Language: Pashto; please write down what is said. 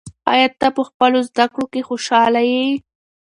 آیا ته په خپلو زده کړو کې خوشحاله یې؟